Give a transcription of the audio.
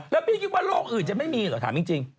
แล้วพี่คิดว่าโลกอื่นจะไม่มีเหรอถามจริง